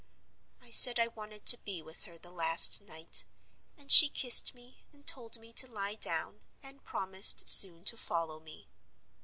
I said I wanted to be with her the last night; and she kissed me, and told me to lie down, and promised soon to follow me.